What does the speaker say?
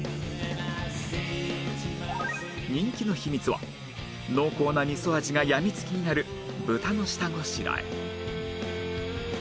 人気の秘密は濃厚なみそ味がやみつきになる豚の下ごしらえ